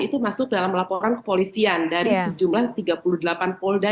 itu masuk dalam laporan kepolisian dari sejumlah tiga puluh delapan polda